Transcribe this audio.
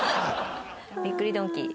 びっくりドンキー。